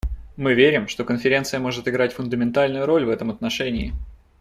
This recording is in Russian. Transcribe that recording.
Мы верим, что Конференция может играть фундаментальную роль в этом отношении.